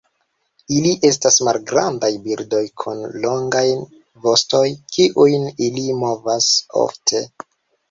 Ili estas malgrandaj birdoj kun longaj vostoj kiujn ili movas ofte.